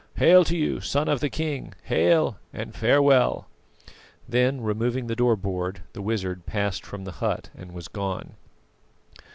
Hail to you, Son of the King! Hail! and farewell." Then, removing the door board, the wizard passed from the hut and was gone.